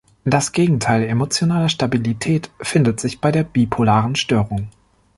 Das Gegenteil emotionaler Stabilität findet sich bei der bipolaren Störung.